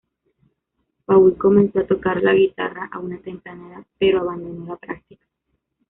Paul comenzó a tocar la guitarra a una temprana edad, pero abandonó la práctica.